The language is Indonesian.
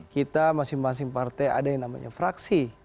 kita masing masing partai ada yang namanya fraksi